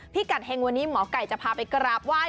กัดเฮงวันนี้หมอไก่จะพาไปกราบไหว้